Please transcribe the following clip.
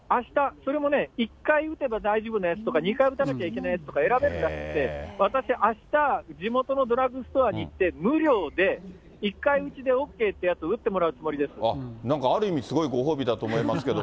それもね、１回打てば大丈夫なやつとか、２回打たなきゃいけないやつとか選べるらしくて、私、あした、地元のドラッグストアに行って、無料で、１回打ちでＯＫってやつ、なんかある意味、すごいご褒美だと思いますけど。